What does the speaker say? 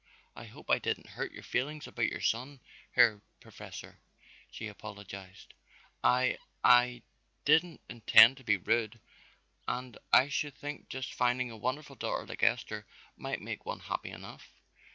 "I hope I didn't hurt your feelings about your son, Herr Professor," she apologized. "I I didn't intend to be rude, and I should think just finding a wonderful daughter like Esther might make one happy enough."